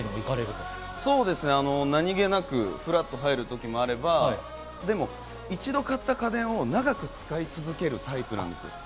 そうですね、何げなくフラっと入るときもあれば、一度買った家電を長く使い続けるタイプなんですよ。